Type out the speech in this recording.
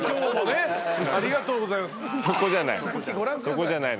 そこじゃない。